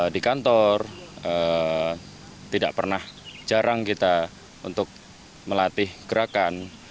di kantor tidak pernah jarang kita untuk melatih gerakan